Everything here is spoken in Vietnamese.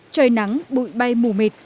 trời nắng bụi bay mù mệt